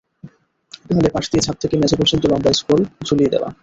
দেয়ালের পাশ দিয়ে ছাদ থেকে মেঝে পর্যন্ত লম্বা স্ক্রল ঝুলিয়ে দেওয়া।